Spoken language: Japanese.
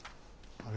あれ。